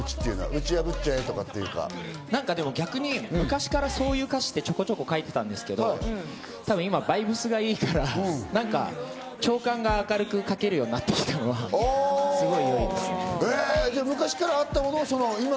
打ち破っちゃうとか、そうい昔からそういう歌詞ってちょこちょこ書いてたんですけど、今バイブスがいいから、ちょうかんが明るくかけるようになってきたのがいい。